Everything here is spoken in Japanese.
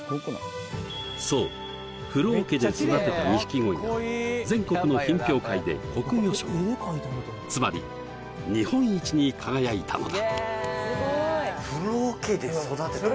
そう風呂桶で育てた錦鯉が全国の品評会で国魚賞つまり日本一に輝いたのだ